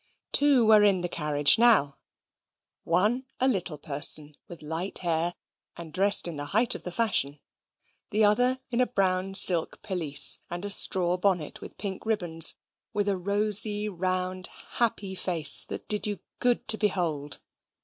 Two were in the carriage now: one a little person, with light hair, and dressed in the height of the fashion; the other in a brown silk pelisse, and a straw bonnet with pink ribbons, with a rosy, round, happy face, that did you good to behold.